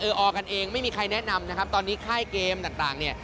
เออออกันเองไม่มีใครแนะนำนะครับ